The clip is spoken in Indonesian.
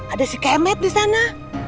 ada si kemet disana